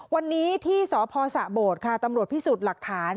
วันนี้ที่สพสะโบดค่ะตำรวจพิสูจน์หลักฐาน